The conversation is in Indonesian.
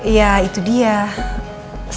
iya itu di sana